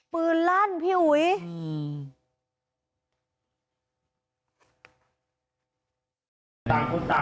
ปืนรั้นพี่หวย